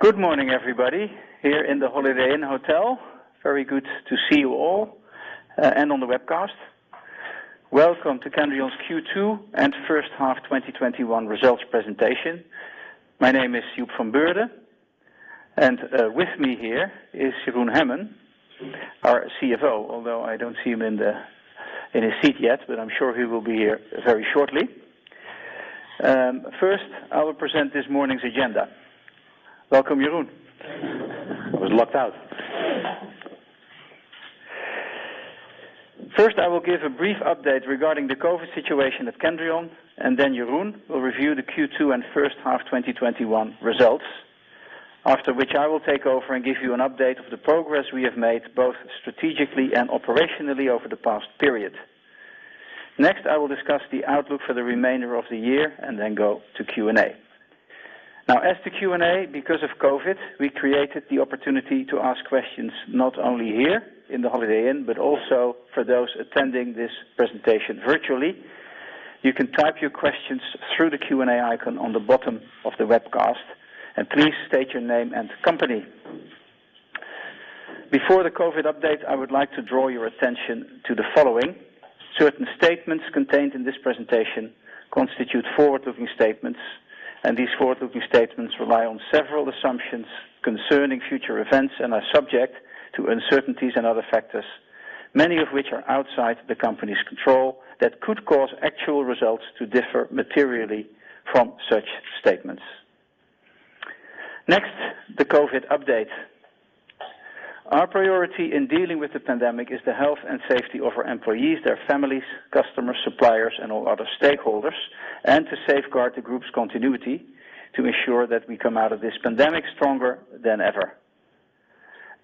Good morning, everybody, here in the Holiday Inn Hotel. Very good to see you all and on the webcast. Welcome to Kendrion's Q2 and First Half 2021 Results Presentation. My name is Joep van Beurden, and with me here is Jeroen Hemmen, our CFO. Although I don't see him in his seat yet, but I'm sure he will be here very shortly. First, I will present this morning's agenda. Welcome, Jeroen. Thank you. I was locked out. First, I will give a brief update regarding the COVID situation at Kendrion, and then Jeroen will review the Q2 and first half 2021 results. After which, I will take over and give you an update of the progress we have made, both strategically and operationally over the past period. Next, I will discuss the outlook for the remainder of the year and then go to Q&A. Now, as to Q&A, because of COVID, we created the opportunity to ask questions not only here in the Holiday Inn, but also for those attending this presentation virtually. You can type your questions through the Q&A icon on the bottom of the webcast, and please state your name and company. Before the COVID update, I would like to draw your attention to the following. Certain statements contained in this presentation constitute forward-looking statements, and these forward-looking statements rely on several assumptions concerning future events and are subject to uncertainties and other factors, many of which are outside the company's control, that could cause actual results to differ materially from such statements. Next, the COVID update. Our priority in dealing with the pandemic is the health and safety of our employees, their families, customers, suppliers and all other stakeholders, and to safeguard the group's continuity to ensure that we come out of this pandemic stronger than ever.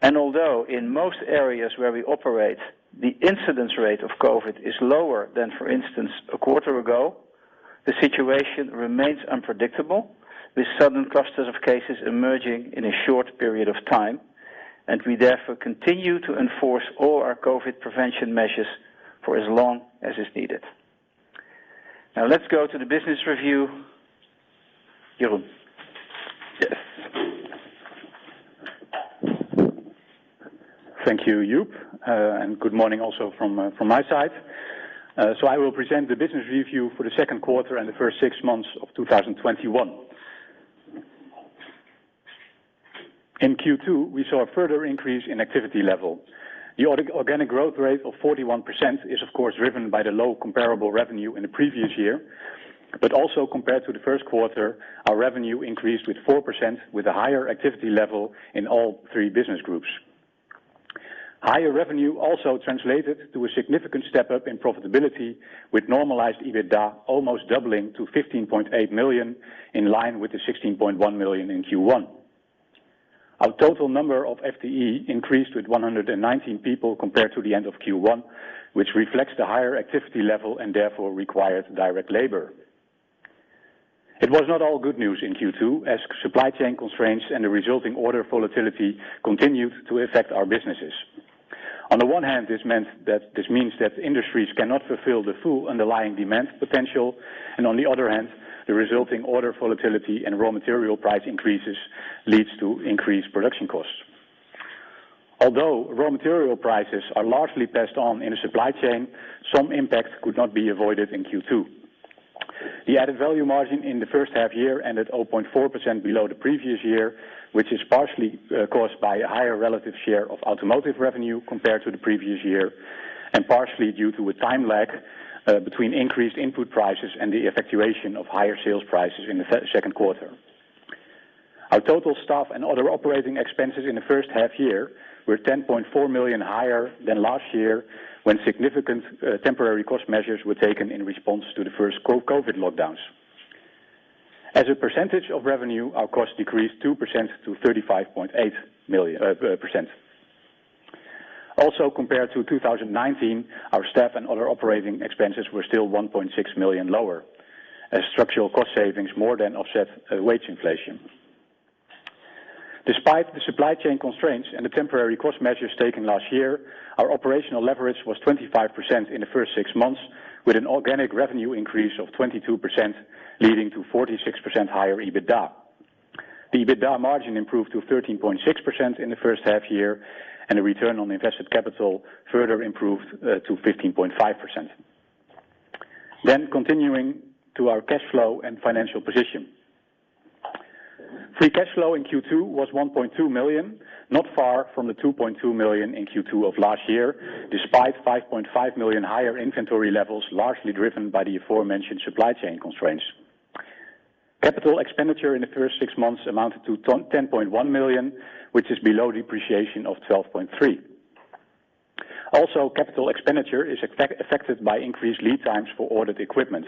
Although in most areas where we operate, the incidence rate of COVID is lower than, for instance, a quarter ago, the situation remains unpredictable, with sudden clusters of cases emerging in a short period of time, and we, therefore, continue to enforce all our COVID prevention measures for as long as is needed. Let's go to the business review. Jeroen? Yes. Thank you, Joep, and good morning also from my side. I will present the business review for the second quarter and the first six months of 2021. In Q2, we saw a further increase in activity level. The organic growth rate of 41% is, of course, driven by the low comparable revenue in the previous year. Also compared to the first quarter, our revenue increased with 4%, with a higher activity level in all three business groups. Higher revenue also translated to a significant step-up in profitability, with normalized EBITDA almost doubling to 15.8 million, in line with the 16.1 million in Q1. Our total number of FTE increased with 119 people compared to the end of Q1, which reflects the higher activity level and therefore required direct labor. It was not all good news in Q2 as supply chain constraints and the resulting order volatility continued to affect our businesses. On the one hand, this means that industries cannot fulfill the full underlying demand potential, and on the other hand, the resulting order volatility and raw material price increases leads to increased production costs. Although raw material prices are largely passed on in a supply chain, some impact could not be avoided in Q2. The added value margin in the first half year ended 0.4% below the previous year, which is partially caused by a higher relative share of Automotive revenue compared to the previous year, and partially due to a time lag between increased input prices and the effectuation of higher sales prices in the second quarter. Our total staff and other operating expenses in the first half year were 10.4 million higher than last year, when significant temporary cost measures were taken in response to the first COVID lockdowns. As a percentage of revenue, our cost decreased 2% to 35.8%. Also compared to 2019, our staff and other Operating Expenses were still 1.6 million lower as structural cost savings more than offset wage inflation. Despite the supply chain constraints and the temporary cost measures taken last year, our operational leverage was 25% in the first six months, with an organic revenue increase of 22%, leading to 46% higher EBITDA. The EBITDA margin improved to 13.6% in the first half year, and the return on invested capital further improved to 15.5%. Continuing to our cash flow and financial position. Free Cash Flow in Q2 was 1.2 million, not far from the 2.2 million in Q2 of last year, despite 5.5 million higher inventory levels, largely driven by the aforementioned supply chain constraints. Capital expenditure in the first six months amounted to 10.1 million, which is below depreciation of 12.3 million. Also, capital expenditure is affected by increased lead times for ordered equipment.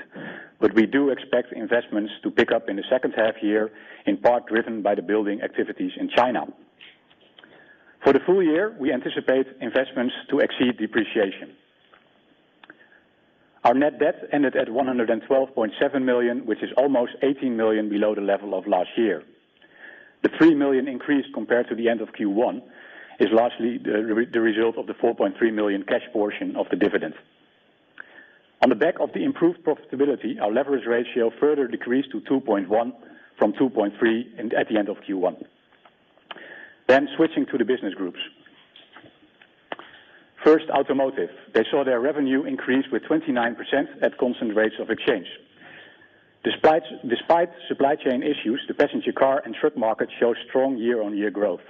We do expect investments to pick up in the second half-year, in part driven by the building activities in China. For the full year, we anticipate investments to exceed depreciation. Our net debt ended at 112.7 million, which is almost 18 million below the level of last year. The 3 million increase compared to the end of Q1 is largely the result of the 4.3 million cash portion of the dividend. On the back of the improved profitability, our leverage ratio further decreased to 2.1 from 2.3 at the end of Q1. Switching to the business groups. First, Automotive. They saw their revenue increase with 29% at constant rates of exchange. Despite supply chain issues, the passenger car and truck market showed strong year-on-year growth.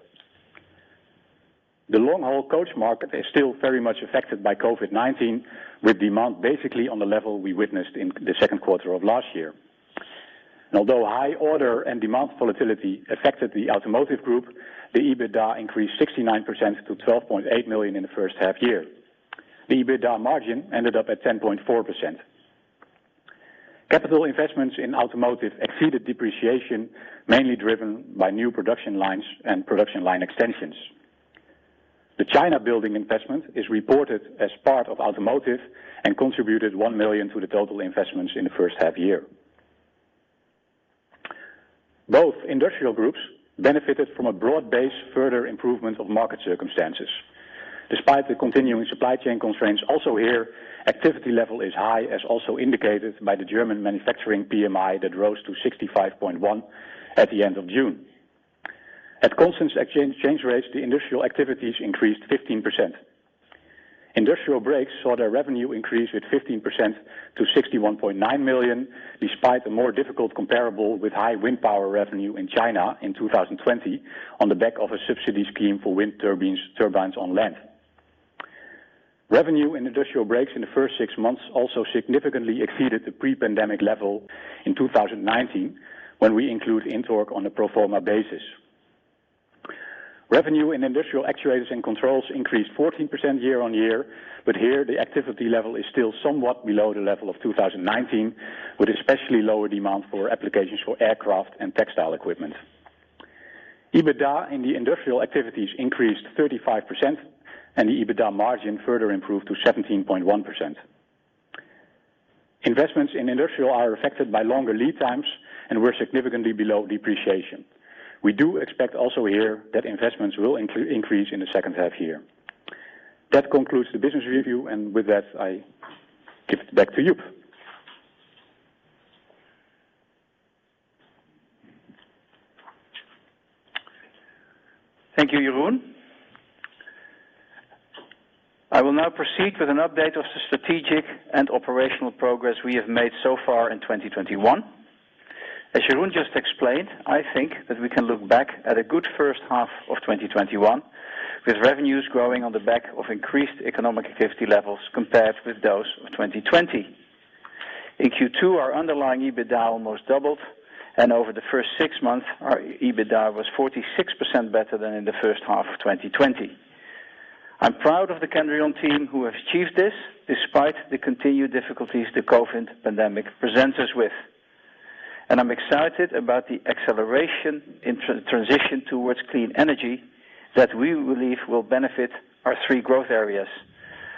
The long-haul coach market is still very much affected by COVID-19, with demand basically on the level we witnessed in the second quarter of last year. Although high order and demand volatility affected the Automotive group, the EBITDA increased 69% to 12.8 million in the first half year. The EBITDA margin ended up at 10.4%. Capital investments in Automotive exceeded depreciation, mainly driven by new production lines and production line extensions. The China building investment is reported as part of Automotive and contributed 1 million to the total investments in the first half year. Both industrial groups benefited from a broad-based further improvement of market circumstances. Despite the continuing supply chain constraints, also here, activity level is high, as also indicated by the German manufacturing PMI that rose to 65.1 at the end of June. At constant exchange rates, the industrial activities increased 15%. Industrial Brakes saw their revenue increase with 15% to 61.9 million, despite a more difficult comparable with high wind power revenue in China in 2020 on the back of a subsidy scheme for wind turbines on land. Revenue in Industrial Brakes in the first six months also significantly exceeded the pre-pandemic level in 2019, when we include INTORQ on a pro forma basis. Revenue in Industrial Actuators and Controls increased 14% year-on-year, but here the activity level is still somewhat below the level of 2019, with especially lower demand for applications for aircraft and textile equipment. EBITDA in the industrial activities increased 35%, and the EBITDA margin further improved to 17.1%. Investments in industrial are affected by longer lead times and were significantly below depreciation. We do expect also here that investments will increase in the second half year. That concludes the business review, and with that, I give it back to Joep. Thank you, Jeroen. I will now proceed with an update of the strategic and operational progress we have made so far in 2021. As Jeroen just explained, I think that we can look back at a good first half of 2021, with revenues growing on the back of increased economic activity levels compared with those of 2020. In Q2, our underlying EBITDA almost doubled, and over the first six months, our EBITDA was 46% better than in the first half of 2020. I'm proud of the Kendrion team who have achieved this despite the continued difficulties the COVID pandemic presents us with. I'm excited about the acceleration in transition towards clean energy that we believe will benefit our three growth areas.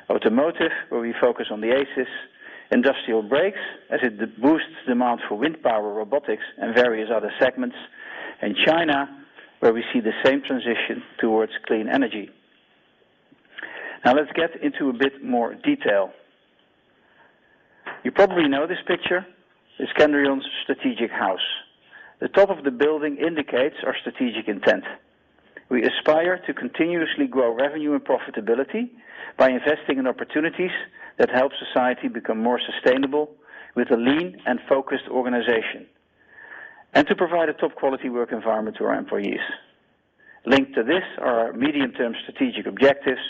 Automotive, where we focus on the ACES, Industrial Brakes, as it boosts demand for wind power, robotics, and various other segments, and China, where we see the same transition towards clean energy. Let's get into a bit more detail. You probably know this picture. It's Kendrion's strategic house. The top of the building indicates our strategic intent. We aspire to continuously grow revenue and profitability by investing in opportunities that help society become more sustainable with a lean and focused organization, and to provide a top-quality work environment to our employees. Linked to this are our medium-term strategic objectives,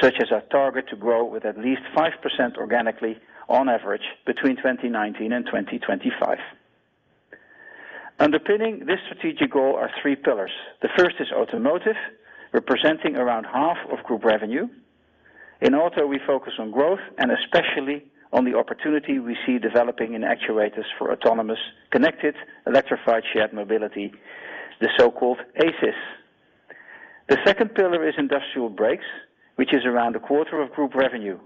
such as our target to grow with at least 5% organically on average between 2019 and 2025. Underpinning this strategic goal are three pillars. The first is Automotive, representing around half of group revenue. In Auto, we focus on growth and especially on the opportunity we see developing in actuators for Autonomous, Connected, Electrified shared mobility, the so-called ACES. The second pillar is Industrial Brakes, which is around a quarter of group revenue.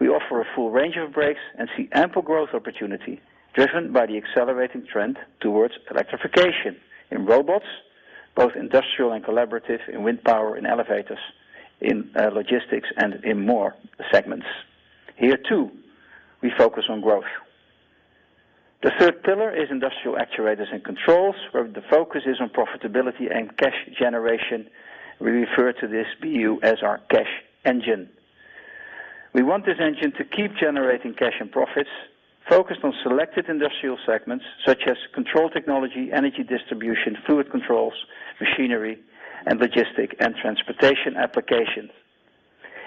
We offer a full range of brakes and see ample growth opportunity driven by the accelerating trend towards electrification in robots, both industrial and collaborative, in wind power and elevators, in logistics, and in more segments. Here, too, we focus on growth. The third pillar is Industrial Actuators and Controls, where the focus is on profitability and cash generation. We refer to this BU as our cash engine. We want this engine to keep generating cash and profits focused on selected industrial segments such as control technology, energy distribution, fluid controls, machinery, and logistic and transportation applications.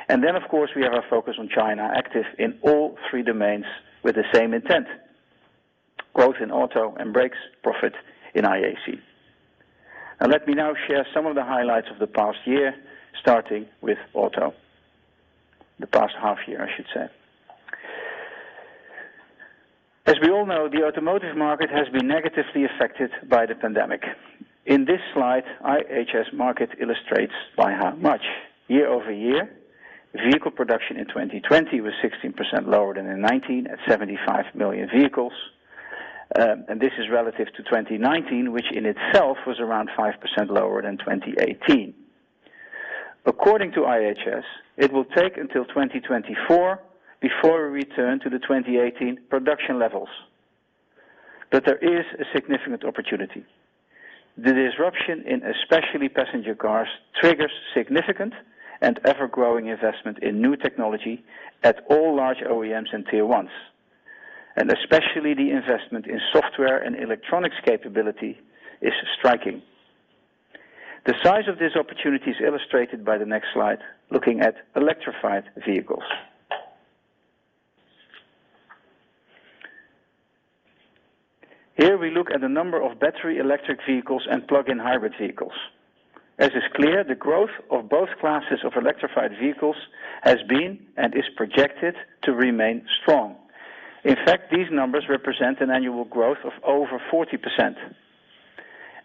Then, of course, we have our focus on China, active in all three domains with the same intent, growth in Auto and Brakes, profit in IAC. Let me now share some of the highlights of the past year, starting with Auto. The past half year, I should say. As we all know, the automotive market has been negatively affected by the pandemic. In this slide, IHS Markit illustrates by how much. Year-over-year, vehicle production in 2020 was 16% lower than in 2019, at 75 million vehicles. This is relative to 2019, which in itself was around 5% lower than 2018. According to IHS, it will take until 2024 before we return to the 2018 production levels. There is a significant opportunity. The disruption in especially passenger cars triggers significant and ever-growing investment in new technology at all large OEMs and Tier 1s, and especially the investment in software and electronics capability is striking. The size of this opportunity is illustrated by the next slide, looking at electrified vehicles. Here we look at the number of battery electric vehicles and plug-in hybrid vehicles. As is clear, the growth of both classes of electrified vehicles has been, and is projected to remain strong. In fact, these numbers represent an annual growth of over 40%.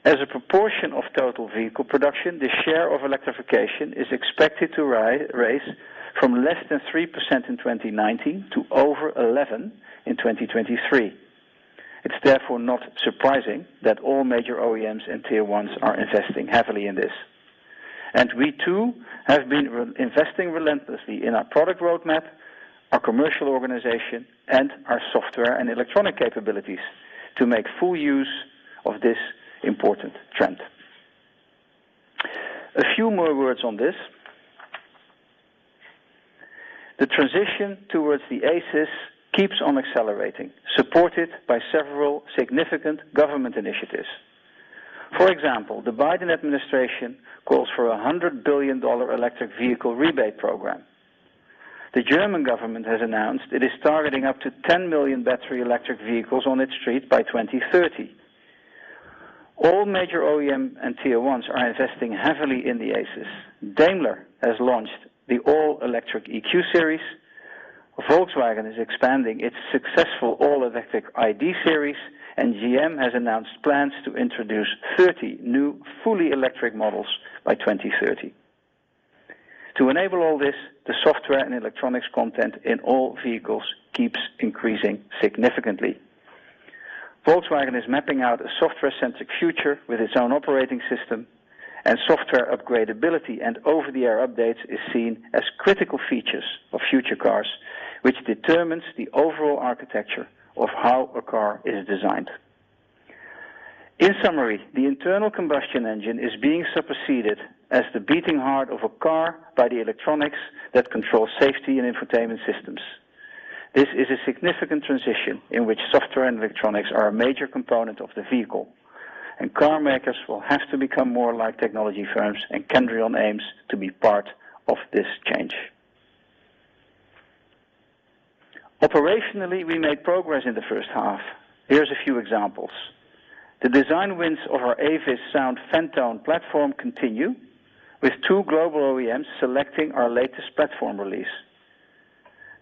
As a proportion of total vehicle production, the share of electrification is expected to rise from less than 3% in 2019 to over 11% in 2023. It's therefore not surprising that all major OEMs and Tier 1s are investing heavily in this. We too have been investing relentlessly in our product roadmap, our commercial organization, and our software and electronic capabilities to make full use of this important trend. A few more words on this. The transition towards the ACES keeps on accelerating, supported by several significant government initiatives. For example, the Biden administration calls for a $100 billion electric vehicle rebate program. The German government has announced it is targeting up to 10 million battery electric vehicles on its street by 2030. All major OEM and Tier 1s are investing heavily in the ACES. Daimler has launched the all-electric EQ series, Volkswagen is expanding its successful all-electric ID. series, and GM has announced plans to introduce 30 new fully electric models by 2030. To enable all this, the software and electronics content in all vehicles keeps increasing significantly. Volkswagen is mapping out a software-centric future with its own operating system, and software upgradability and over-the-air updates is seen as critical features of future cars, which determines the overall architecture of how a car is designed. In summary, the internal combustion engine is being superseded as the beating heart of a car by the electronics that control safety and infotainment systems. This is a significant transition in which software and electronics are a major component of the vehicle. Car makers will have to become more like technology firms. Kendrion aims to be part of this change. Operationally, we made progress in the first half. Here's a few examples. The design wins of our AVAS PHANTONE platform continue, with two global OEMs selecting our latest platform release.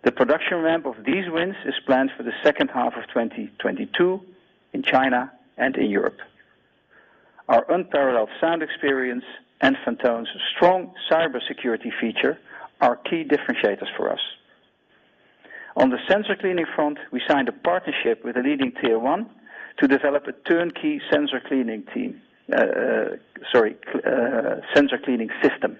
The production ramp of these wins is planned for the second half of 2022 in China and in Europe. Our unparalleled sound experience and PHANTONE's strong cybersecurity feature are key differentiators for us. On the sensor cleaning front, we signed a partnership with a leading Tier 1 to develop a turnkey sensor cleaning system.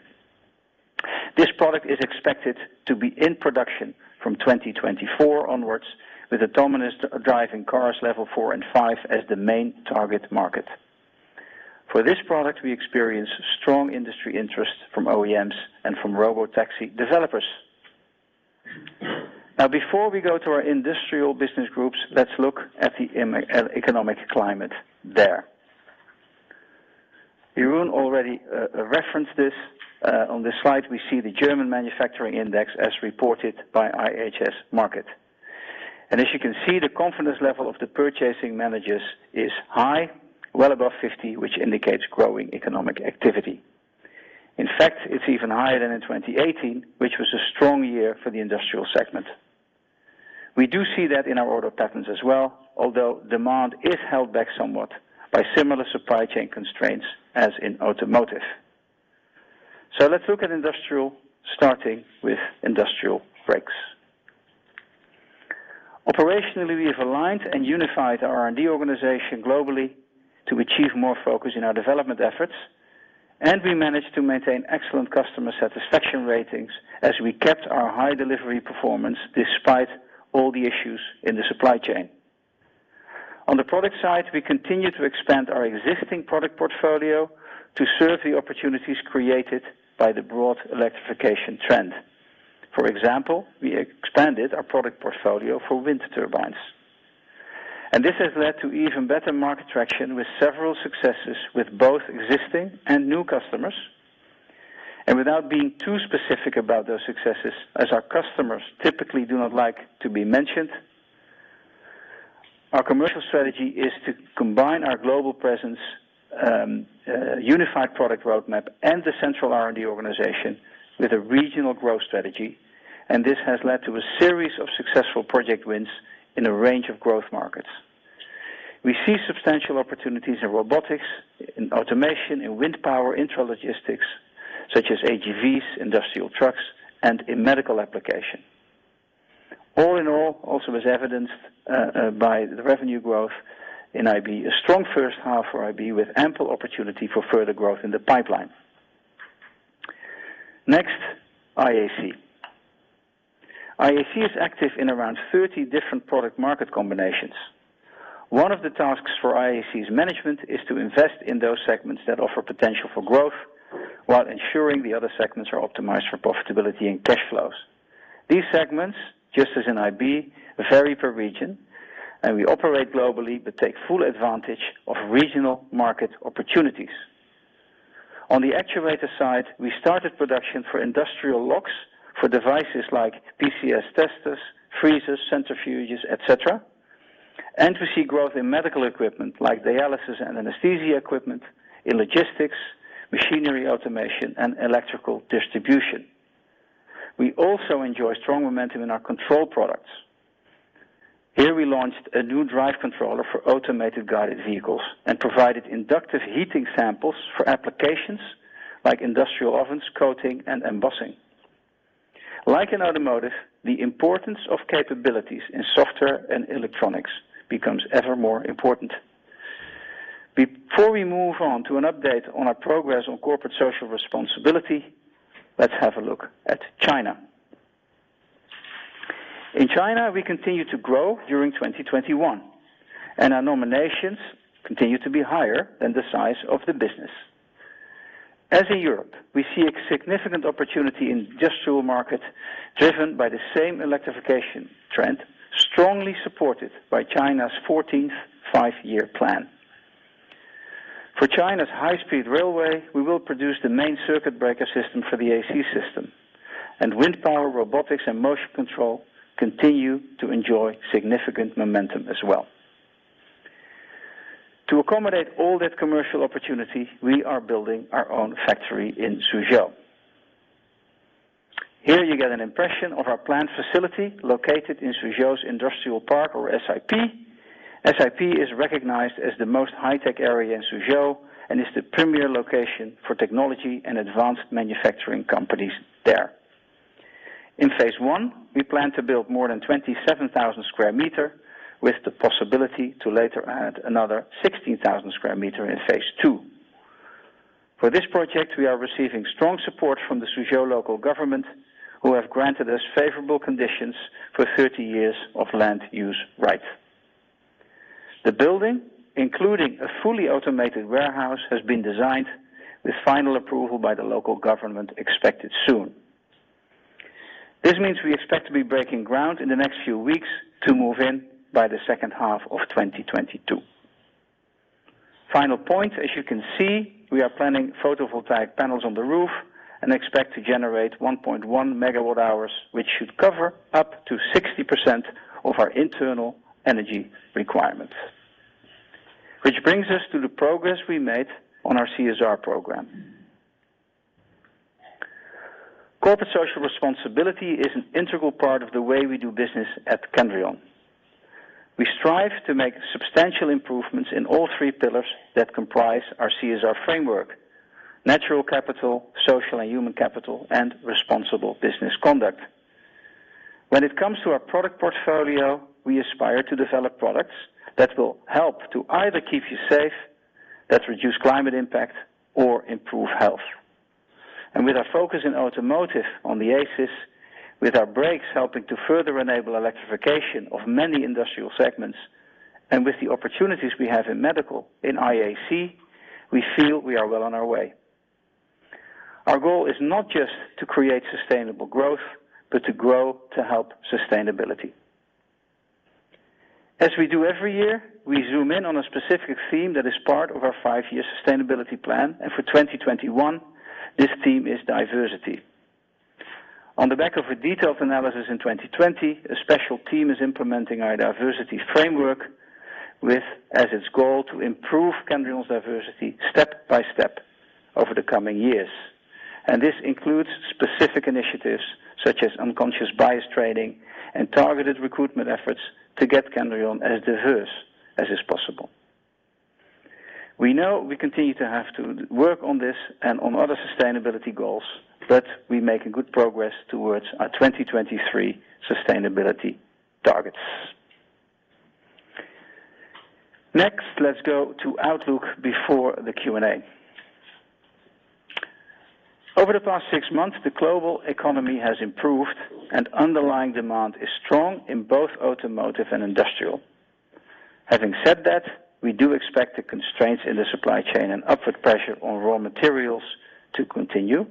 This product is expected to be in production from 2024 onwards, with autonomous driving cars Level 4 and 5 as the main target market. For this product, we experience strong industry interest from OEMs and from robotaxi developers. Before we go to our industrial business groups, let's look at the economic climate there. Jeroen already referenced this. On this slide, we see the German manufacturing index as reported by IHS Markit. As you can see, the confidence level of the purchasing managers is high, well above 50, which indicates growing economic activity. In fact, it's even higher than in 2018, which was a strong year for the industrial segment. We do see that in our order patterns as well, although demand is held back somewhat by similar supply chain constraints as in Automotive. Let's look at industrial, starting with Industrial Brakes. Operationally, we have aligned and unified our R&D organization globally to achieve more focus in our development efforts, and we managed to maintain excellent customer satisfaction ratings as we kept our high delivery performance despite all the issues in the supply chain. On the product side, we continue to expand our existing product portfolio to serve the opportunities created by the broad electrification trend. For example, we expanded our product portfolio for wind turbines. This has led to even better market traction with several successes with both existing and new customers. Without being too specific about those successes, as our customers typically do not like to be mentioned, our commercial strategy is to combine our global presence, unified product roadmap, and the central R&D organization with a regional growth strategy, and this has led to a series of successful project wins in a range of growth markets. We see substantial opportunities in robotics, in automation, in wind power, intralogistics, such as AGVs, industrial trucks, and in medical application. All in all, also as evidenced by the revenue growth in IB, a strong first half for IB with ample opportunity for further growth in the pipeline. Next, IAC. IAC is active in around 30 different product market combinations. One of the tasks for IAC's management is to invest in those segments that offer potential for growth while ensuring the other segments are optimized for profitability and cash flows. These segments, just as in IB, vary per region. We operate globally but take full advantage of regional market opportunities. On the actuator side, we started production for industrial locks for devices like DCS testers, freezers, centrifuges, et cetera. We see growth in medical equipment like dialysis and anesthesia equipment, in logistics, machinery automation, and electrical distribution. We also enjoy strong momentum in our control products. Here we launched a new drive controller for automated guided vehicles. We provided inductive heating samples for applications like industrial ovens, coating, and embossing. Like in Automotive, the importance of capabilities in software and electronics becomes ever more important. Before we move on to an update on our progress on corporate social responsibility, let's have a look at China. In China, we continued to grow during 2021. Our nominations continue to be higher than the size of the business. As in Europe, we see a significant opportunity in industrial market driven by the same electrification trend, strongly supported by China's 14th Five-Year Plan. For China's high-speed railway, we will produce the main circuit breaker system for the AC system. Wind power robotics and motion control continue to enjoy significant momentum as well. To accommodate all that commercial opportunity, we are building our own factory in Suzhou. Here you get an impression of our planned facility located in Suzhou's Industrial Park, or SIP. SIP is recognized as the most high-tech area in Suzhou and is the premier location for technology and advanced manufacturing companies there. In phase I, we plan to build more than 27,000 sq m with the possibility to later add another 16,000 sq m in phase II. For this project, we are receiving strong support from the Suzhou local government, who have granted us favorable conditions for 30 years of land use rights. The building, including a fully automated warehouse, has been designed with final approval by the local government expected soon. This means we expect to be breaking ground in the next few weeks to move in by the second half of 2022. Final point, as you can see, we are planning photovoltaic panels on the roof and expect to generate 1.1MW hours, which should cover up to 60% of our internal energy requirements. Which brings us to the progress we made on our CSR program. Corporate Social Responsibility is an integral part of the way we do business at Kendrion. We strive to make substantial improvements in all three pillars that comprise our CSR framework, natural capital, social and human capital, and responsible business conduct. When it comes to our product portfolio, we aspire to develop products that will help to either keep you safe, that reduce climate impact, or improve health. With our focus in Automotive on the AVAS, with our brakes helping to further enable electrification of many industrial segments, and with the opportunities we have in medical in IAC, we feel we are well on our way. Our goal is not just to create sustainable growth, but to grow to help sustainability. As we do every year, we zoom in on a specific theme that is part of our five-year sustainability plan. For 2021, this theme is diversity. On the back of a detailed analysis in 2020, a special team is implementing our diversity framework with as its goal to improve Kendrion's diversity step by step over the coming years. This includes specific initiatives such as unconscious bias training and targeted recruitment efforts to get Kendrion as diverse as is possible. We know we continue to have to work on this and on other sustainability goals, but we're making good progress towards our 2023 sustainability targets. Next, let's go to outlook before the Q&A. Over the past six months, the global economy has improved, and underlying demand is strong in both automotive and industrial. Having said that, we do expect the constraints in the supply chain and upward pressure on raw materials to continue.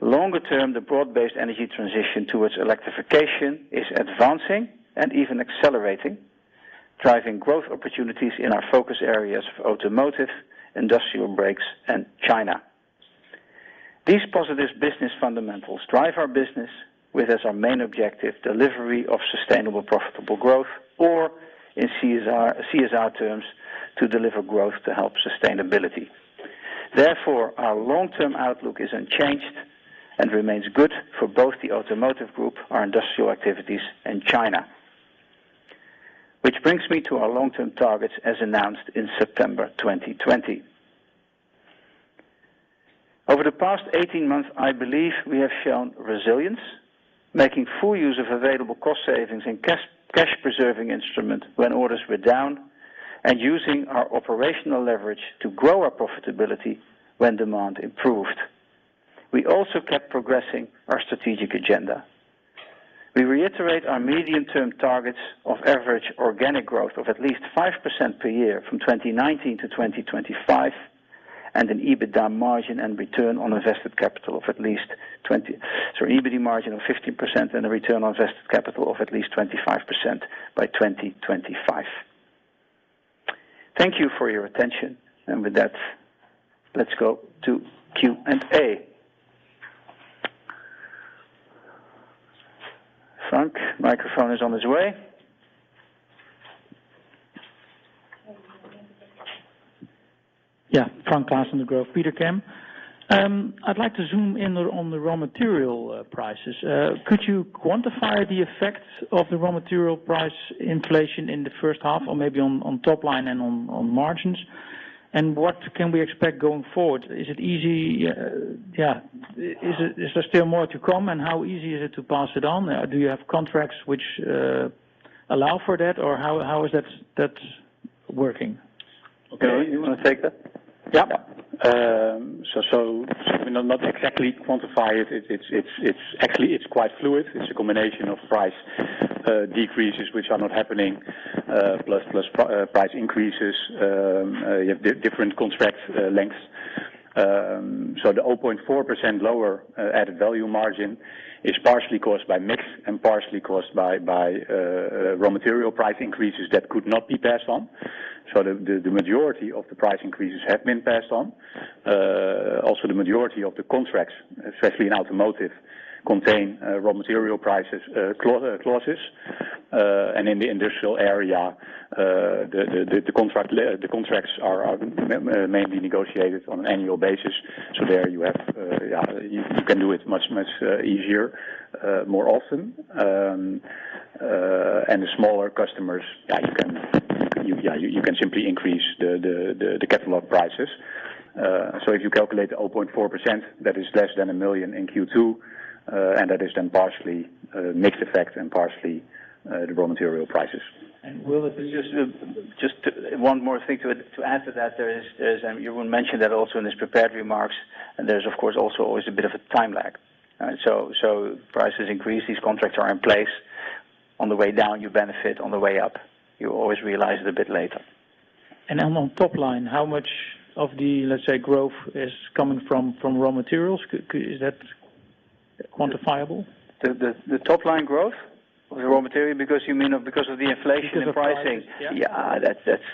Longer term, the broad-based energy transition towards electrification is advancing and even accelerating, driving growth opportunities in our focus areas of Automotive, Industrial Brakes, and China. These positive business fundamentals drive our business with, as our main objective, delivery of sustainable profitable growth, or in CSR terms, to deliver growth to help sustainability. Our long-term outlook is unchanged and remains good for both the Automotive group, our industrial activities, and China, which brings me to our long-term targets as announced in September 2020. In the past 18 months, I believe we have shown resilience, making full use of available cost savings and cash preserving instruments when orders were down and using our operational leverage to grow our profitability when demand improved. We also kept progressing our strategic agenda. We reiterate our medium-term targets of average organic growth of at least 5% per year from 2019 to 2025, and an EBITDA margin and return on invested capital of at least 20%. EBITDA margin of 15% and a Return On Invested Capital of at least 25% by 2025. Thank you for your attention. With that, let's go to Q&A. Frank, microphone is on its way. Yeah. Frank Claassen of Degroof Petercam. I'd like to zoom in on the raw material prices. Could you quantify the effects of the raw material price inflation in the first half or maybe on top line and on margins? What can we expect going forward? Is there still more to come and how easy is it to pass it on? Do you have contracts which allow for that, or how is that working? Okay. You want to take that? Yeah. We not exactly quantify it. Actually, it's quite fluid. It's a combination of price decreases which are not happening, plus price increases the different contracts lengths. The 0.4% lower added value margin is partially caused by mix and partially caused by raw material price increases that could not be passed on. The majority of the price increases have been passed on. The majority of the contracts, especially in Automotive, contain raw material prices clauses. In the Industrial area, the contracts are mainly negotiated on an annual basis. There you can do it much easier, more often. The smaller customers, you can simply increase the catalog prices. If you calculate the 0.4%, that is less than 1 million in Q2, and that is then partially mixed effect and partially the raw material prices. Just one more thing to add to that. Jeroen mentioned that also in his prepared remarks, and there's of course also always a bit of a time lag. Prices increase, these contracts are in place. On the way down, you benefit, on the way up, you always realize it a bit later. On top line, how much of the, let's say, growth is coming from raw materials? Is that quantifiable? The top line growth of the raw material? You mean because of the inflation and pricing? Yeah,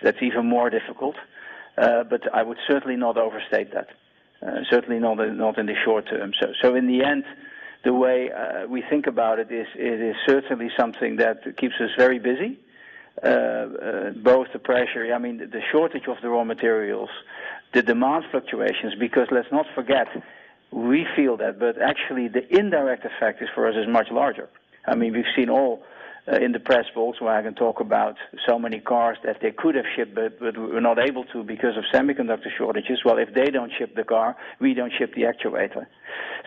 that's even more difficult. I would certainly not overstate that. Certainly not in the short term. In the end, the way we think about it is, it is certainly something that keeps us very busy. Both the pressure, I mean, the shortage of the raw materials, the demand fluctuations, because let's not forget, we feel that, but actually the indirect effect is for us is much larger. We've seen all in the press, Volkswagen talk about so many cars that they could have shipped but were not able to because of semiconductor shortages. If they don't ship the car, we don't ship the actuator.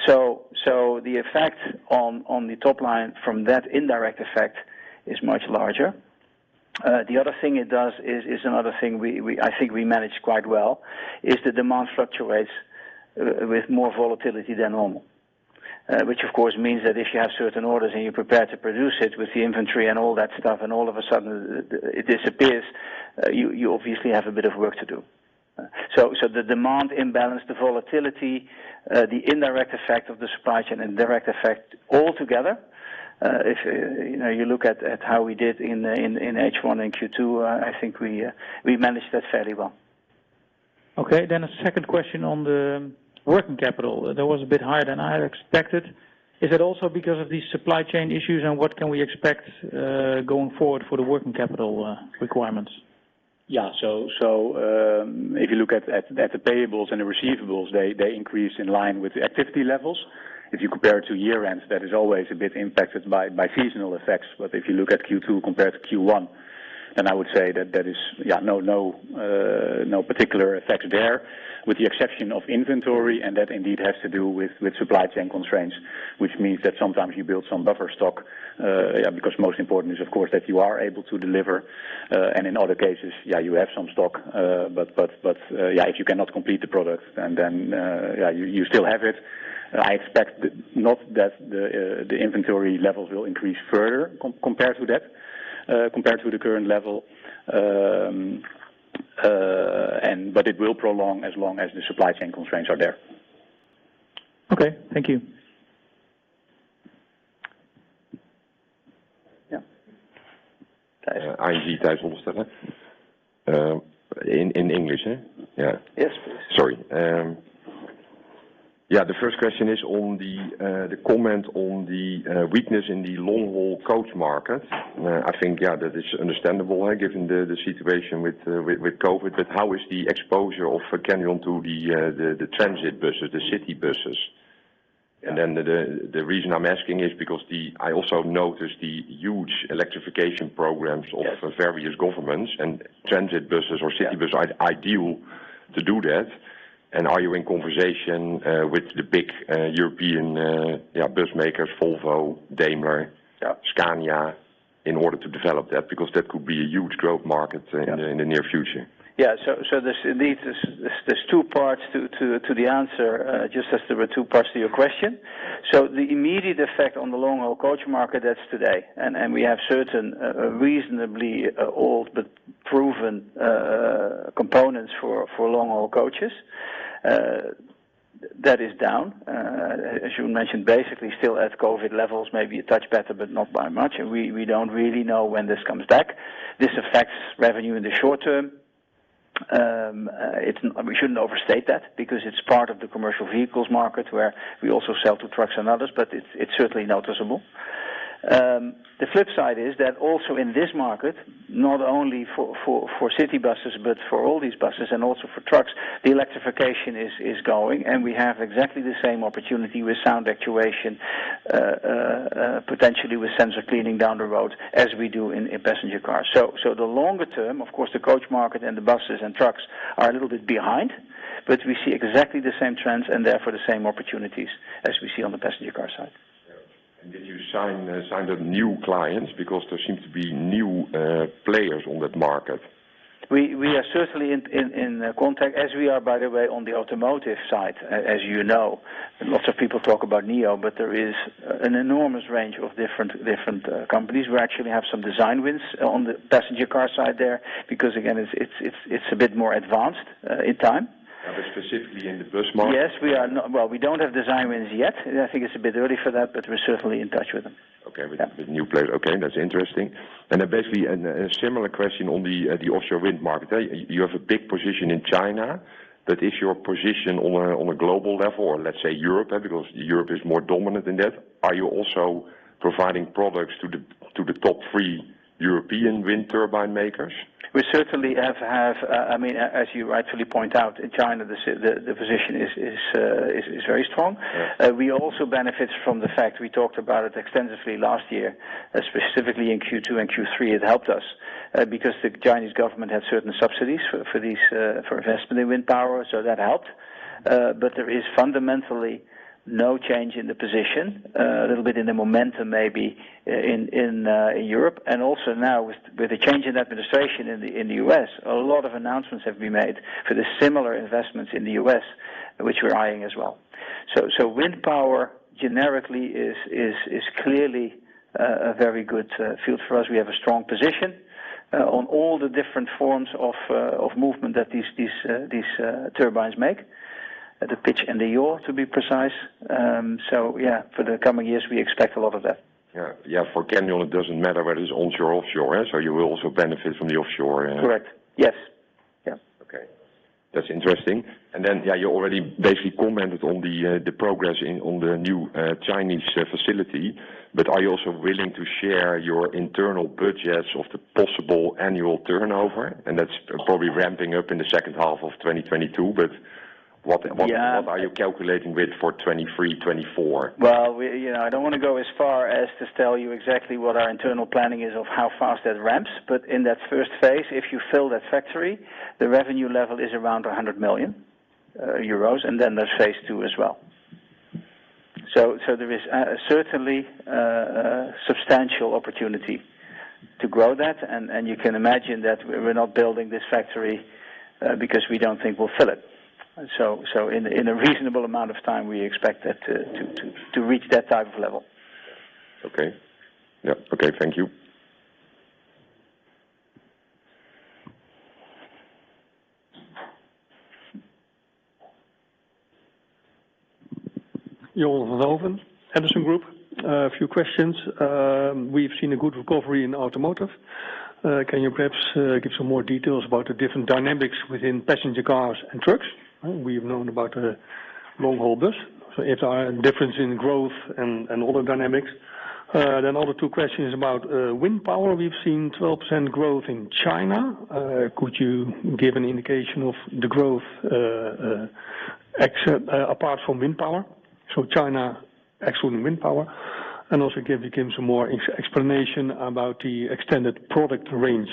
The effect on the top line from that indirect effect is much larger. The other thing it does is another thing I think we manage quite well, is the demand fluctuates with more volatility than normal. Which of course means that if you have certain orders and you're prepared to produce it with the inventory and all that stuff, and all of a sudden it disappears, you obviously have a bit of work to do. The demand imbalance, the volatility, the indirect effect of the supply chain, indirect effect altogether, if you look at how we did in H1 and Q2, I think we managed that fairly well. Okay. A second question on the working capital. That was a bit higher than I had expected. Is it also because of these supply chain issues, and what can we expect going forward for the working capital requirements? Yeah. If you look at the payables and the receivables, they increase in line with the activity levels. If you compare it to year-ends, that is always a bit impacted by seasonal effects. If you look at Q2 compared to Q1, I would say that there is no particular effect there, with the exception of inventory, and that indeed has to do with supply chain constraints, which means that sometimes you build some buffer stock, because most important is of course, that you are able to deliver. In other cases, you have some stock. If you cannot complete the product, you still have it. I expect not that the inventory levels will increase further compared to the current level but it will prolong as long as the supply chain constraints are there. Okay. Thank you. Yeah. [ING Tijs]. In English, eh? Yes, please. Sorry. The first question is on the comment on the weakness in the long-haul coach market. I think that is understandable given the situation with COVID, but how is the exposure of Kendrion to the transit buses, the city buses? The reason I am asking is because I also noticed the huge electrification programs. Yes. Of various governments and transit buses or city buses. Yes. Are ideal to do that. Are you in conversation with the big European bus makers, Volvo, Daimler-? Yeah Scania, in order to develop that? That could be a huge growth market. Yeah In the near future. There's two parts to the answer, just as there were two parts to your question. The immediate effect on the long-haul coach market, that's today, and we have certain reasonably old but proven components for long-haul coaches. That is down. As you mentioned, basically still at COVID levels, maybe a touch better, but not by much. We don't really know when this comes back. This affects revenue in the short term. We shouldn't overstate that because it's part of the commercial vehicles market where we also sell to trucks and others, but it's certainly noticeable. The flip side is that also in this market, not only for city buses, but for all these buses and also for trucks, the electrification is going, and we have exactly the same opportunity with sound actuation, potentially with sensor cleaning down the road, as we do in passenger cars. The longer term, of course, the coach market and the buses and trucks are a little bit behind, but we see exactly the same trends and therefore the same opportunities as we see on the passenger car side. Yeah. Did you sign the new clients because there seems to be new players on that market? We are certainly in contact, as we are, by the way, on the Automotive side, as you know. Most of people talk about NIO batteries. There is an enormous range of different companies. We actually have some design wins on the passenger car side there, because again, it's a bit more advanced in time. Specifically in the bus market. Yes. Well, we don't have design wins yet. I think it's a bit early for that, but we're certainly in touch with them. Okay. Yeah. With new players. Okay, that's interesting. Basically, a similar question on the offshore wind market. You have a big position in China, but is your position on a global level, or let's say Europe, because Europe is more dominant in that, are you also providing products to the top three European wind turbine makers? We certainly have. As you rightly point out, in China, the position is very strong. Yeah. We also benefit from the fact we talked about it extensively last year, specifically in Q2 and Q3 it helped us, because the Chinese government had certain subsidies for investment in wind power, that helped. There is fundamentally no change in the position. A little bit in the momentum, maybe, in Europe, and also now with the change in administration in the U.S., a lot of announcements have been made for the similar investments in the U.S., which we're eyeing as well. Wind power generically is clearly a very good field for us. We have a strong position on all the different forms of movement that these turbines make, the pitch and the yaw, to be precise. Yeah, for the coming years, we expect a lot of that. Yeah. For Kendrion it doesn't matter whether it's onshore or offshore. You will also benefit from the offshore. Correct. Yes. Okay. That's interesting. You already basically commented on the progress on the new Chinese facility, are you also willing to share your internal budgets of the possible annual turnover? That's probably ramping up in the second half of 2022. Yeah. Are you calculating with for 2023, 2024? I don't want to go as far as to tell you exactly what our internal planning is of how fast that ramps, but in that first phase, if you fill that factory, the revenue level is around 100 million euros, and then there's phase II as well. There is certainly a substantial opportunity to grow that, and you can imagine that we're not building this factory because we don't think we'll fill it. In a reasonable amount of time, we expect that to reach that type of level. Okay. Thank you. Johan van den Hooven, Edison Group. A few questions. We've seen a good recovery in Automotive. Can you perhaps give some more details about the different dynamics within passenger cars and trucks? We've known about the long-haul bus. If there are differences in growth and other dynamics. The other two questions about wind power. We've seen 12% growth in China. Could you give an indication of the growth apart from wind power? China excluding wind power, and also give some more explanation about the extended product range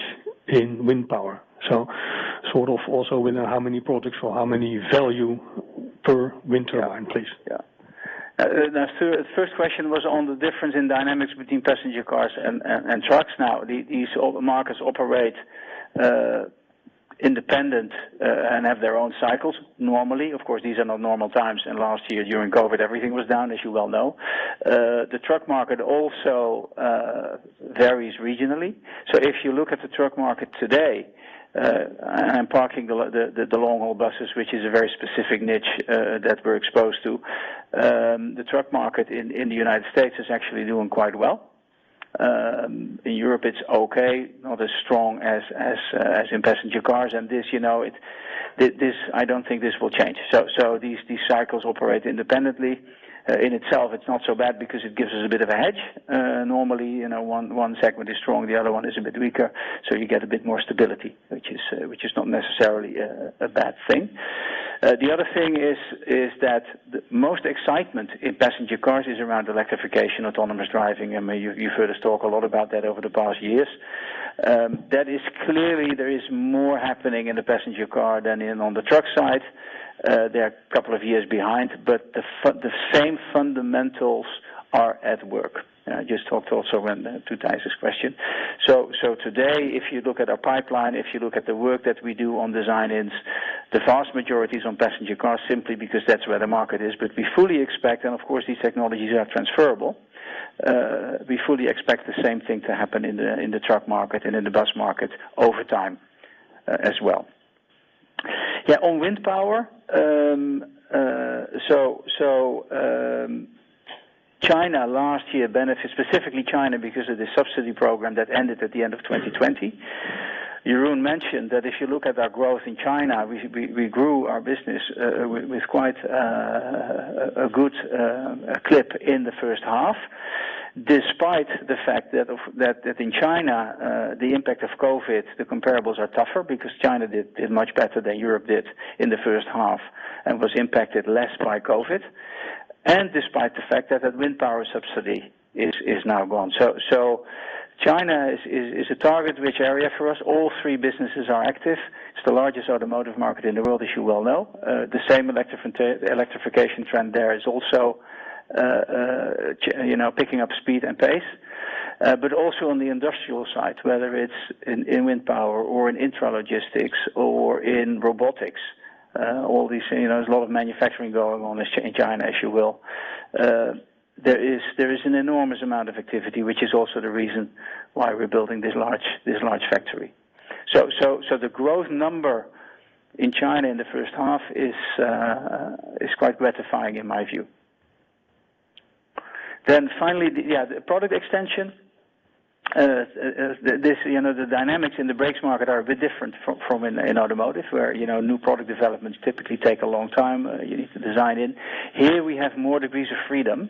in wind power. How many products or how much value per wind turbine, please. The first question was on the difference in dynamics between passenger cars and trucks. These markets operate independent and have their own cycles normally. Of course, these are not normal times, and last year during COVID, everything was down, as you well know. The truck market also varies regionally. If you look at the truck market today, and parking the long-haul buses, which is a very specific niche that we're exposed to, the truck market in the U.S. is actually doing quite well. In Europe it's okay, not as strong as in passenger cars, and this, I don't think this will change. These cycles operate independently. In itself, it's not so bad because it gives us a bit of a hedge. Normally, one segment is strong, the other one is a bit weaker. You get a bit more stability, which is not necessarily a bad thing. The other thing is that most excitement in passenger cars is around electrification, autonomous driving, and you've heard us talk a lot about that over the past years. That is clearly there is more happening in the passenger car than on the truck side. They are a couple of years behind. The same fundamentals are at work. Just talk to also to Thijs' question. Today, if you look at our pipeline, if you look at the work that we do on design ins, the vast majority is on passenger cars simply because that's where the market is. We fully expect and of course, these technologies are transferable. We fully expect the same thing to happen in the truck market and in the bus market over time as well. On wind power, China last year benefited, specifically China because of the subsidy program that ended at the end of 2020. Jeroen mentioned that if you look at our growth in China, we grew our business with quite a good clip in the first half, despite the fact that in China, the impact of COVID, the comparables are tougher because China did much better than Europe did in the first half and was impacted less by COVID. Despite the fact that wind power subsidy is now gone. China is a target rich area for us. All three businesses are active. It's the largest automotive market in the world, as you well know. The same electrification trend there is also picking up speed and pace. Also on the industrial side, whether it's in wind power or in intralogistics or in robotics, all these, there's a lot of manufacturing going on in China, as you will. There is an enormous amount of activity which is also the reason why we're building this large factory. The growth number in China in the first half is quite gratifying in my view. Finally, the product extension. The dynamics in the brakes market are a bit different from in Automotive where new product developments typically take a long time, you need to design in. Here we have more degrees of freedom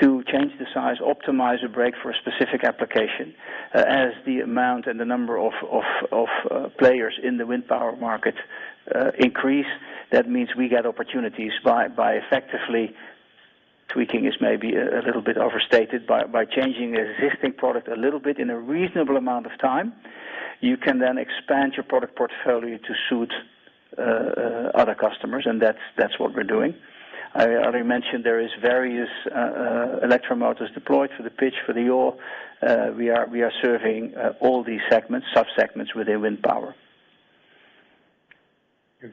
to change the size, optimize a brake for a specific application. As the amount and the number of players in the wind power market increase, that means we get opportunities by effectively tweaking is maybe a little bit overstated, by changing existing product a little bit in a reasonable amount of time, you can then expand your product portfolio to suit other customers. That's what we're doing. I already mentioned there is various electromotors deployed for the pitch, for the yaw. We are serving all these segments, sub-segments within wind power.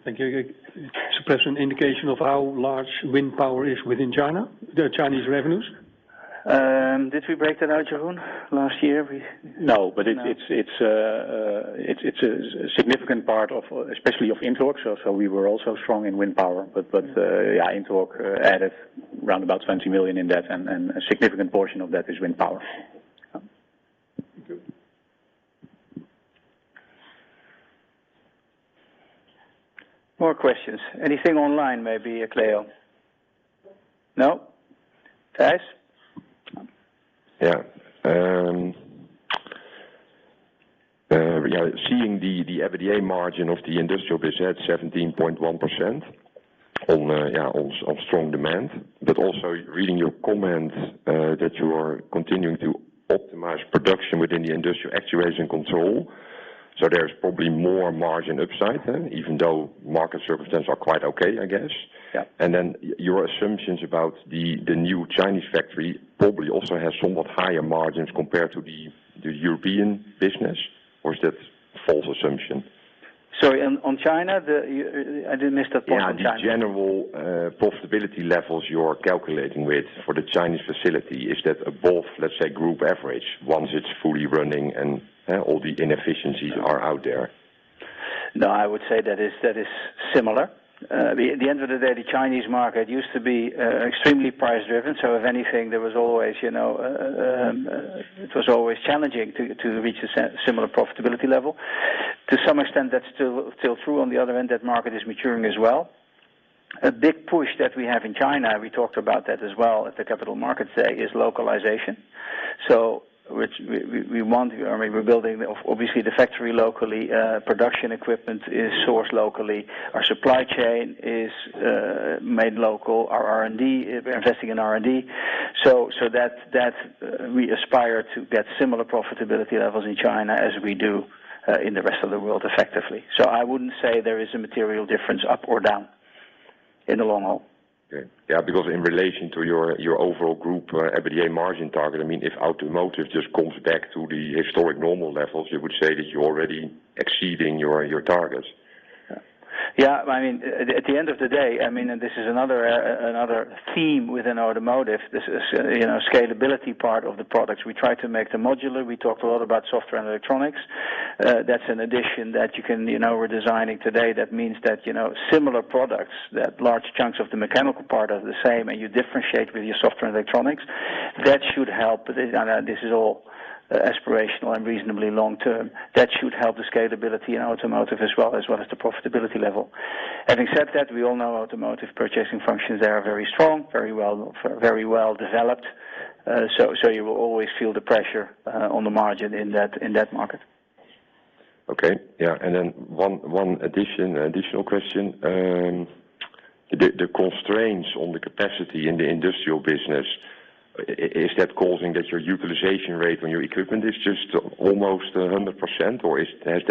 Thank you. Just perhaps an indication of how large wind power is within China, the Chinese revenues? Did we break that out, Jeroen, last year? No, but it's a significant part, especially of INTORQ. We were also strong in wind power, but INTORQ added round about 20 million in that and a significant portion of that is wind power. Thank you. More questions. Anything online maybe, Cleo? No? Thijs? Yeah. Seeing the EBITDA margin of the industrial business at 17.1% on strong demand, but also reading your comments that you are continuing to optimize production within the Industrial Actuators and Controls. There's probably more margin upside then, even though market circumstances are quite okay, I guess. Yeah. Your assumptions about the new Chinese factory probably also has somewhat higher margins compared to the European business. Is that a false assumption? Sorry, on China? I did miss that part on China. Yeah, the general profitability levels you're calculating with for the Chinese facility, is that above, let's say, group average once it's fully running and all the inefficiencies are out there? No, I would say that is similar. At the end of the day, the Chinese market used to be extremely price driven. If anything, it was always challenging to reach a similar profitability level. To some extent, that's still true. On the other end, that market is maturing as well. A big push that we have in China, we talked about that as well at the capital market day, is localization. We're building, obviously, the factory locally, production equipment is sourced locally. Our supply chain is made local, our R&D, we're investing in R&D. That we aspire to get similar profitability levels in China as we do in the rest of the world effectively. I wouldn't say there is a material difference up or down in the long haul. Okay. Yeah, because in relation to your overall group EBITDA margin target, if Automotive just comes back to the historic normal levels, you would say that you're already exceeding your targets? At the end of the day, this is another theme within Automotive, this scalability part of the products. We try to make them modular. We talked a lot about software and electronics. That's an addition that we're designing today that means that similar products, that large chunks of the mechanical part are the same and you differentiate with your software and electronics. That should help. This is all aspirational and reasonably long term. That should help the scalability in Automotive as well as the profitability level. Having said that, we all know Automotive purchasing functions, they are very strong, very well developed. You will always feel the pressure on the margin in that market. Okay. One additional question. The constraints on the capacity in the industrial business, is that causing that your utilization rate on your equipment is just almost 100% or is that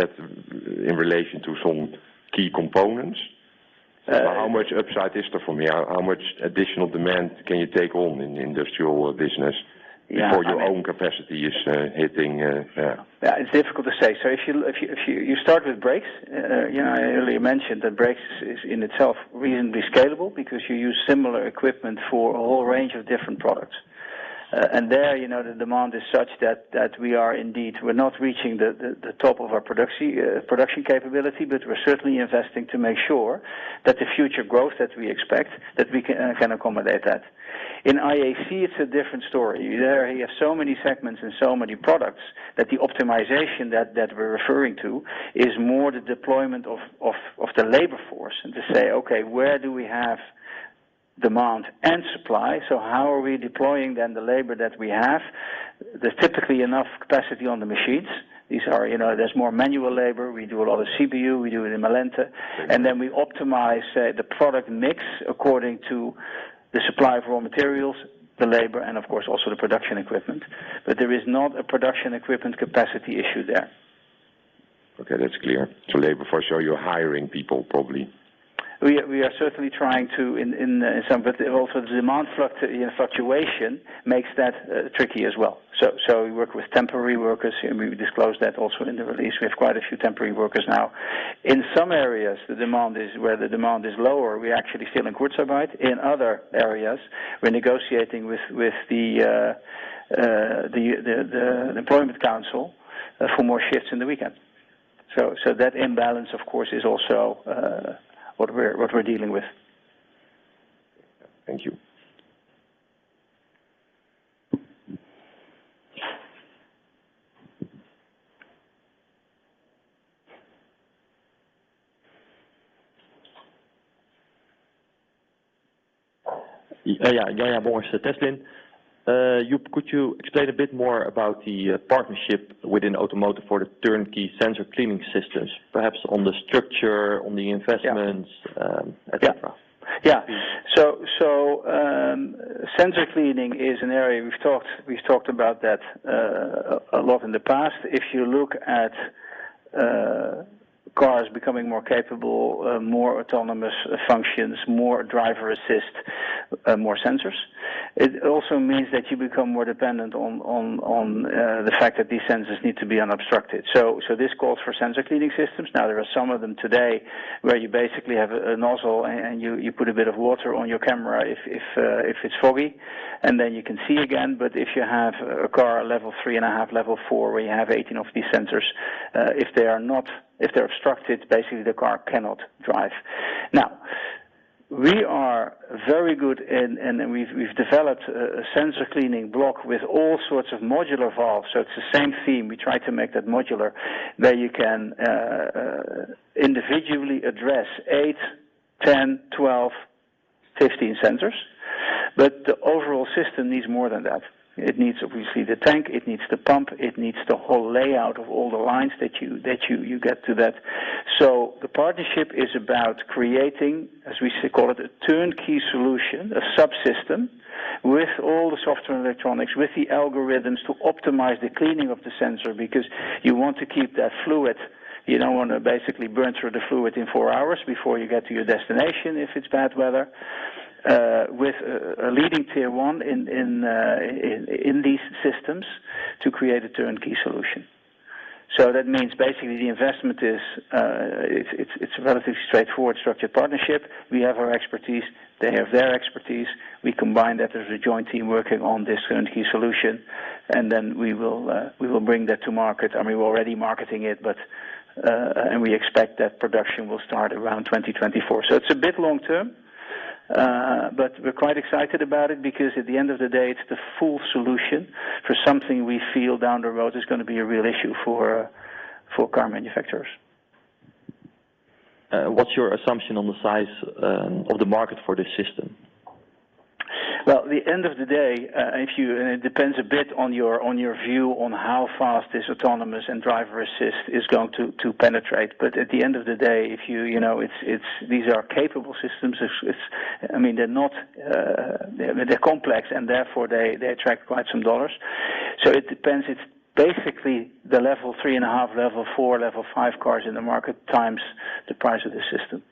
in relation to some key components? How much upside is there for me? How much additional demand can you take on in the industrial business before your own capacity is hitting? It's difficult to say. If you start with Industrial Brakes, I earlier mentioned that Industrial Brakes is in itself reasonably scalable because you use similar equipment for a whole range of different products. There, the demand is such that we're not reaching the top of our production capability, but we're certainly investing to make sure that the future growth that we expect, that we can accommodate that. In IAC, it's a different story. There, you have so many segments and so many products that the optimization that we're referring to is more the deployment of the labor force and to say, "Okay, where do we have demand and supply? How are we deploying then the labor that we have?" There's typically enough capacity on the machines. There's more manual labor. We do a lot of CPU, we do it in Malente. We optimize the product mix according to the supply of raw materials, the labor, and of course also the production equipment. There is not a production equipment capacity issue there. Okay, that's clear. Labor for sure, you're hiring people probably? We are certainly trying to in some, but also the demand fluctuation makes that tricky as well. We work with temporary workers, and we disclose that also in the release. We have quite a few temporary workers now. In some areas where the demand is lower, we're actually still in Kurzarbeit. In other areas, we're negotiating with the employment council for more shifts in the weekend. That imbalance, of course, is also what we're dealing with. Thank you. [Joe, good morning] It's Teslin. Joep, could you explain a bit more about the partnership within Automotive for the turnkey sensor cleaning systems, perhaps on the structure, on the investments, et cetera? Yeah. Sensor cleaning is an area we've talked about that a lot in the past. If you look at cars becoming more capable, more autonomous functions, more driver assist, more sensors, it also means that you become more dependent on the fact that these sensors need to be unobstructed. This calls for sensor cleaning systems. Now, there are some of them today where you basically have a nozzle and you put a bit of water on your camera if it's foggy, and then you can see again. If you have a car Level 3 and a half, Level 4, where you have 18 of these sensors, if they're obstructed, basically the car cannot drive. Now, we are very good and we've developed a sensor cleaning block with all sorts of modular valves. It's the same theme. We try to make that modular, where you can individually address eight, 10, 12, 15 sensors. The overall system needs more than that. It needs, obviously, the tank, it needs the pump, it needs the whole layout of all the lines that you get to that. The partnership is about creating, as we call it, a turnkey solution, a subsystem with all the software and electronics, with the algorithms to optimize the cleaning of the sensor, because you want to keep that fluid. You don't want to basically burn through the fluid in four hours before you get to your destination if it's bad weather, with a leading Tier 1 in these systems to create a turnkey solution. That means basically the investment is a relatively straightforward structured partnership. We have our expertise, they have their expertise. We combine that as a joint team working on this turnkey solution, and then we will bring that to market. I mean, we're already marketing it, and we expect that production will start around 2024. It's a bit long-term, but we're quite excited about it because at the end of the day, it's the full solution for something we feel down the road is going to be a real issue for car manufacturers. What's your assumption on the size of the market for this system? At the end of the day, it depends a bit on your view on how fast this autonomous and driver assist is going to penetrate. At the end of the day, these are capable systems. They're complex and therefore they attract quite some dollars. It depends. It's basically the Level 3.5, Level 4, Level 5 cars in the market times the price of the system.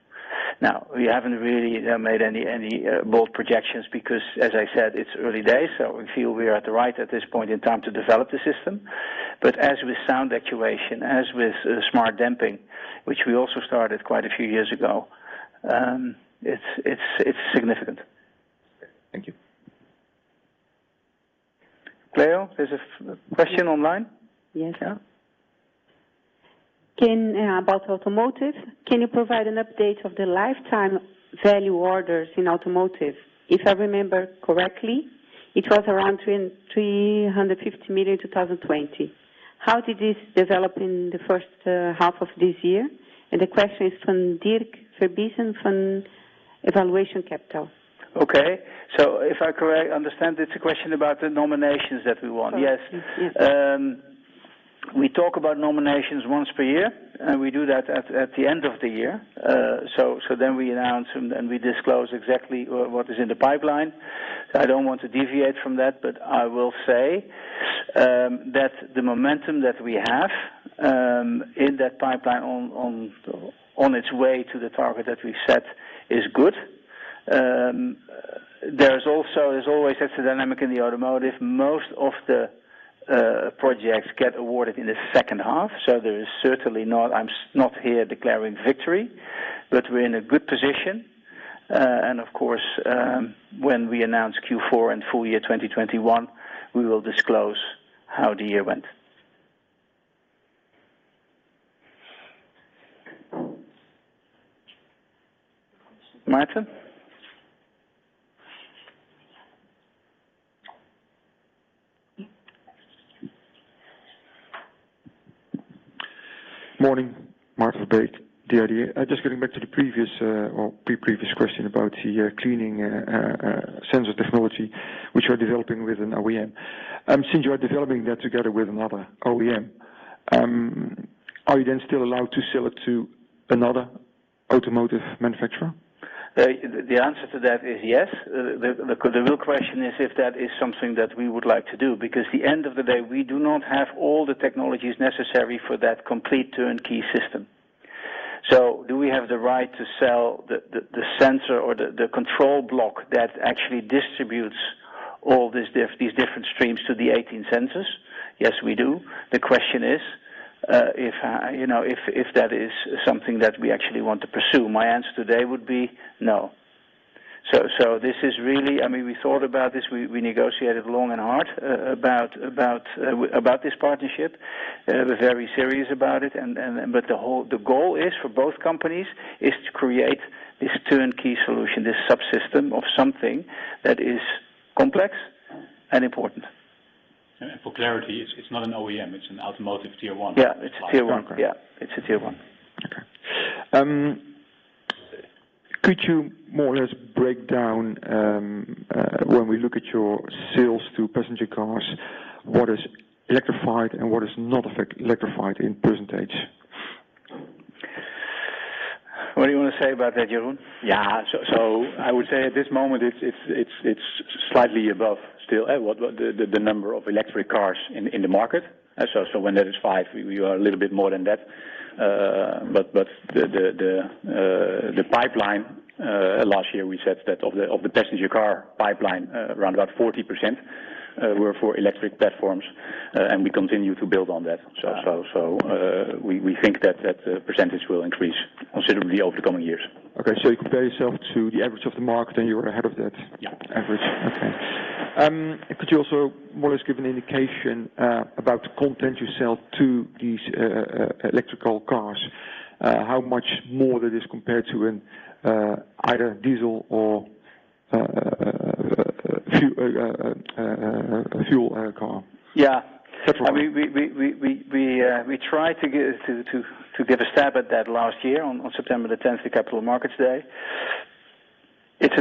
We haven't really made any bold projections because, as I said, it's early days, so we feel we are at the right at this point in time to develop the system. As with sound actuation, as with smart damping which we also started quite a few years ago, it's significant. Thank you. Cleo, there's a question online. Yes, sir. About Automotive, ''Can you provide an update of the lifetime value orders in Automotive? If I remember correctly, it was around 350 million in 2020. How did this develop in the first half of this year?'' The question is from Dirk Verbiesen from [KBC Securities] Okay. If I correctly understand, it's a question about the nominations that we won. Yes. Yes. We talk about nominations once per year. We do that at the end of the year. We announce them and we disclose exactly what is in the pipeline. I don't want to deviate from that. I will say that the momentum that we have in that pipeline on its way to the target that we set is good. There's always that dynamic in the Automotive. Most of the projects get awarded in the second half. I'm not here declaring victory. We're in a good position. Of course, when we announce Q4 and full year 2021, we will disclose how the year went. Maarten? Morning, Maarten Verbeek, The IDEA. Just getting back to the previous or pre-previous question about the cleaning sensor technology, which you are developing with an OEM. Since you are developing that together with another OEM, are you then still allowed to sell it to another automotive manufacturer? The answer to that is yes. The real question is if that is something that we would like to do, because at the end of the day, we do not have all the technologies necessary for that complete turnkey system. Do we have the right to sell the sensor or the control block that actually distributes all these different streams to the 18 sensors? Yes, we do. The question is if that is something that we actually want to pursue. My answer today would be no. We thought about this. We negotiated long and hard about this partnership. We are very serious about it. The goal is for both companies is to create this turnkey solution, this subsystem of something that is complex and important. For clarity, it's not an OEM, it's an Automotive Tier 1? Yeah, it's a Tier 1. Okay. Could you more or less break down when we look at your sales to passenger cars, what is electrified and what is not electrified in %? What do you want to say about that, Jeroen? At this moment it's slightly above still the number of electric cars in the market. When that is five, we are a little bit more than that. The pipeline, last year, we said that of the passenger car pipeline, around about 40% were for electric platforms, and we continue to build on that. We think that the percentage will increase considerably over the coming years. Okay. You compare yourself to the average of the market, and you're ahead of that? Yeah. average. Okay. Could you also more or less give an indication about the content you sell to these electrical cars? How much more that is compared to in either diesel or a fuel car? Yeah. Petroleum. We tried to get a stab at that last year on September the 10th, the Capital Markets Day. It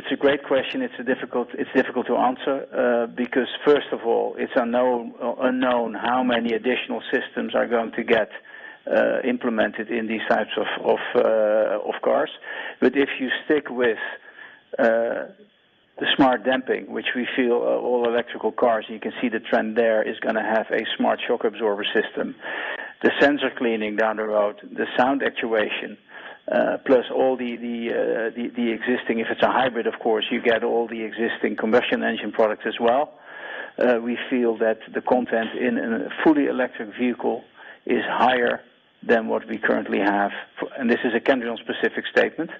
is a great question. It is difficult to answer, because first of all, it is unknown how many additional systems are going to get implemented in these types of cars. If you stick with the smart damping, which we feel all electric cars, you can see the trend there, is going to have a smart shock absorber system. The sensor cleaning down the road, the sound actuation, plus all the existing, if it is a hybrid, of course, you get all the existing combustion engine products as well. We feel that the content in a fully electric vehicle is higher than what we currently have, and this is a Kendrion specific statement,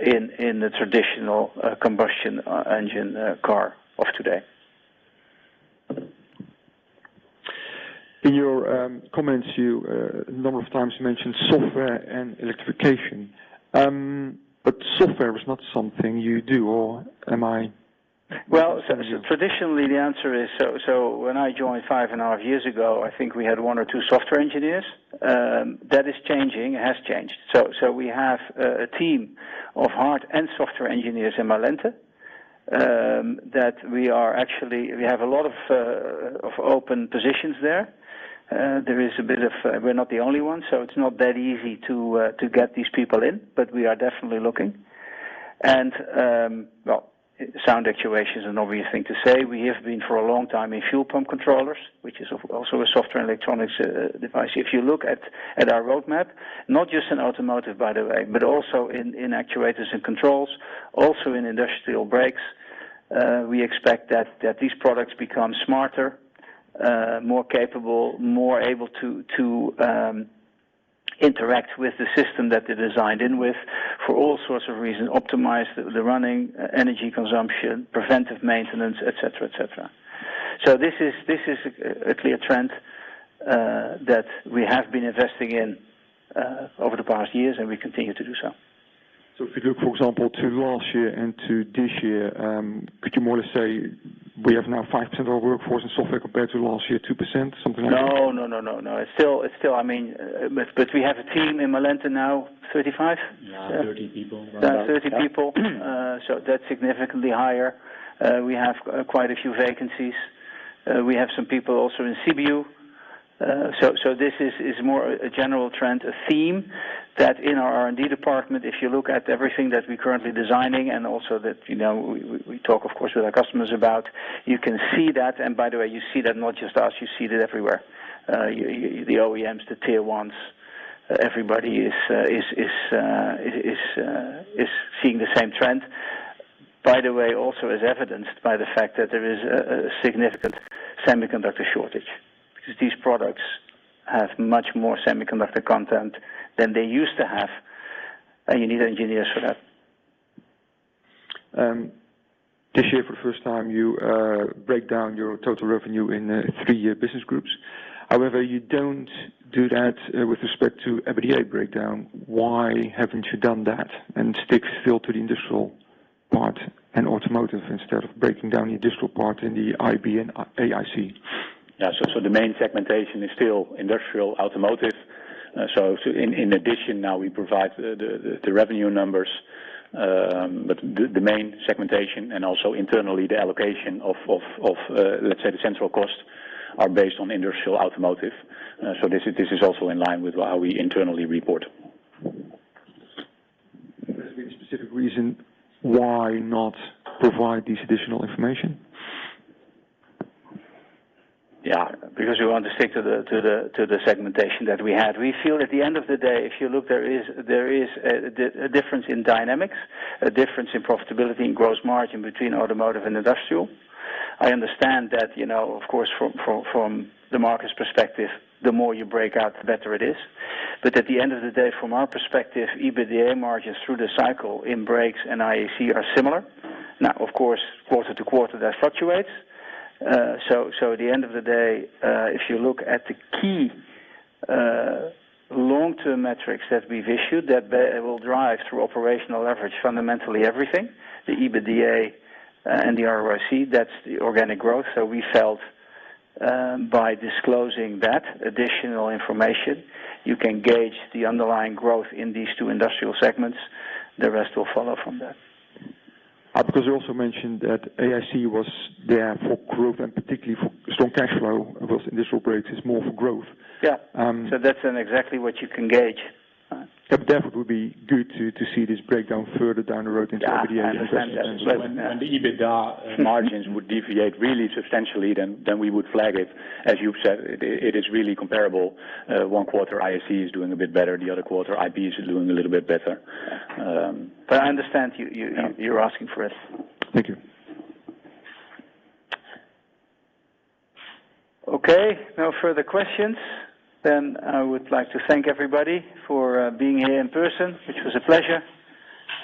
in the traditional combustion engine car of today. In your comments, a number of times you mentioned software and electrification. Software is not something you do, or am I? Well, traditionally, the answer is, when I joined five and a half years ago, I think we had one or two software engineers. That is changing, has changed. We have a team of hard and software engineers in Malente, that we have a lot of open positions there. We're not the only one, it's not that easy to get these people in, we are definitely looking. Well, sound actuation is an obvious thing to say. We have been for a long time in fuel pump controllers, which is also a software and electronics device. If you look at our roadmap, not just in Automotive, by the way, but also in Industrial Actuators and Controls, also in Industrial Brakes, we expect that these products become smarter, more capable, more able to interact with the system that they're designed in with for all sorts of reasons, optimize the running energy consumption, preventive maintenance, et cetera. This is a clear trend that we have been investing in over the past years, and we continue to do so. If you look, for example, to last year and to this year, could you more or less say we have now 5% of our workforce in software compared to last year, 2%? Something like that. No. We have a team in Malente now, 35? Yeah, 30 people around that. Yeah, 30 people. That's significantly higher. We have quite a few vacancies. We have some people also in CBU. This is more a general trend, a theme that in our R&D department, if you look at everything that we're currently designing and also that we talk, of course, with our customers about, you can see that. By the way, you see that not just us, you see that everywhere. The OEMs, the Tier 1s, everybody is seeing the same trend. By the way, also as evidenced by the fact that there is a significant semiconductor shortage, because these products have much more semiconductor content than they used to have, and you need engineers for that. This year, for the first time, you break down your total revenue in three business groups. However, you don't do that with respect to EBITDA breakdown. Why haven't you done that and stick still to the industrial part and Automotive instead of breaking down the industrial part in the IB and IAC? The main segmentation is still Industrial, Automotive. In addition, now we provide the revenue numbers. The main segmentation and also internally, the allocation of, let's say, the central cost are based on Industrial, Automotive. This is also in line with how we internally report. Has there been a specific reason why not provide this additional information? We want to stick to the segmentation that we had. We feel at the end of the day, if you look, there is a difference in dynamics, a difference in profitability, in gross margin between automotive and industrial. I understand that, of course, from the market's perspective, the more you break out, the better it is. At the end of the day, from our perspective, EBITDA margins through the cycle in brakes and IAC are similar. Of course, quarter to quarter, that fluctuates. At the end of the day, if you look at the key long-term metrics that we've issued, that will drive through operational leverage, fundamentally everything, the EBITDA and the ROIC, that's the organic growth. We felt by disclosing that additional information, you can gauge the underlying growth in these two industrial segments. The rest will follow from there. You also mentioned that IAC was there for growth and particularly for strong cash flow, because Industrial Brakes is more for growth? Yeah. That's exactly what you can gauge. That would be good to see this breakdown further down the road in some of the areas? When the EBITDA margins would deviate really substantially, then we would flag it. As you've said, it is really comparable. One quarter, IAC is doing a bit better. The other quarter, IB is doing a little bit better. I understand you're asking for it. Thank you. Okay, no further questions. I would like to thank everybody for being here in person, which was a pleasure.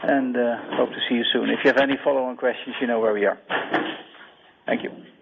Hope to see you soon. If you have any follow-on questions, you know where we are. Thank you.